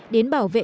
đến bảo vệ